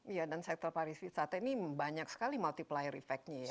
iya dan sektor pariwisata ini banyak sekali multiplier effect nya ya